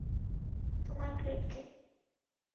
তোমার গ্রেড কী?